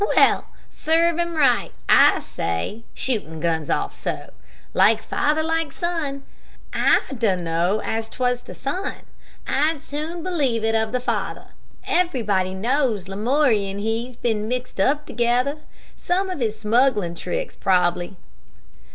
"Well, serve him right, I say, shootin' guns off so. Like father, like son. I dunno as 't was the son. I'd as soon believe it of the father. Everybody knows Lamoury and he's been mixed up together. Some of his smugglin' tricks, prob'ly."